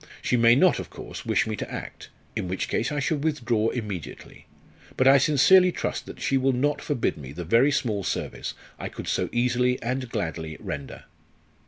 She may not, of course, wish me to act, in which case I should withdraw immediately; but I sincerely trust that she will not forbid me the very small service I could so easily and gladly render.